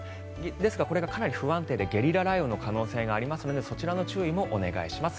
ですが、これがかなり不安定でゲリラ雷雨の可能性もありますのでそちらの注意もお願いします。